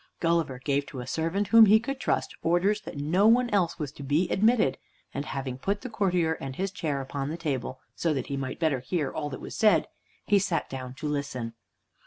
Gulliver gave to a servant whom he could trust orders that no one else was to be admitted, and having put the courtier and his chair upon the table, so that he might better hear all that was said, he sat down to listen.